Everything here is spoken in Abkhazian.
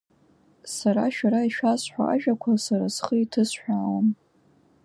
Сара шәара ишәасҳәо ажәақәа Сара схы иҭысҳәаауам…